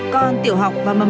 còn tiểu học và mầm non